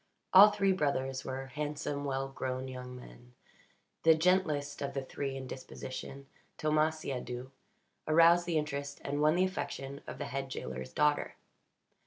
All three brothers were handsome, well grown young men. The gentlest of the three in disposition Thomas Siadoux aroused the interest and won the affection of the head jailer's daughter.